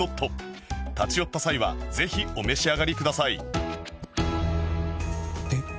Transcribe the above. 立ち寄った際はぜひお召し上がりくださいえっ？